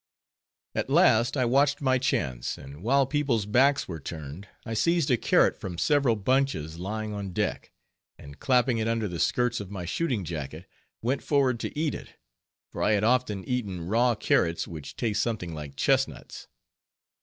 At last I watched my chance, and while people's backs were turned, I seized a carrot from several bunches lying on deck, and clapping it under the skirts of my shooting jacket, went forward to eat it; for I had often eaten raw carrots, which taste something like chestnuts.